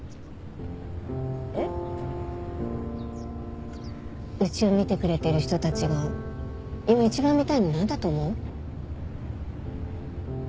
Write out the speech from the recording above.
えっ？うちを見てくれている人たちが今一番見たいの何だと思う？